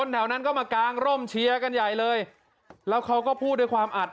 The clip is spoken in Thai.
แถวนั้นก็มากางร่มเชียร์กันใหญ่เลยแล้วเขาก็พูดด้วยความอัด